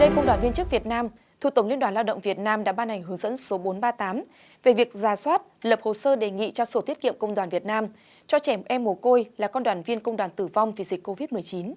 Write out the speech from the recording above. công đoàn viên chức việt nam đã ban hành hướng dẫn số bốn trăm ba mươi tám về việc giả soát lập hồ sơ đề nghị cho sổ tiết kiệm công đoàn việt nam cho trẻ em mồ côi là con đoàn viên công đoàn tử vong vì dịch covid một mươi chín